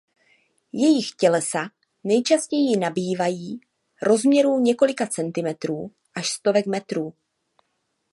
Jejich tělesa nejčastěji nabývají rozměrů několika centimetrů až stovek metrů.